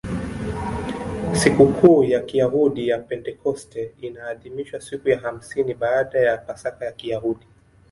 Sikukuu ya Kiyahudi ya Pentekoste inaadhimishwa siku ya hamsini baada ya Pasaka ya Kiyahudi.